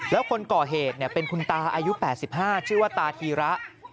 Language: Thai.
แล้วคนก่อเหตุเป็นคุณตาอายุ๘๕ชื่อว่าตาธีระ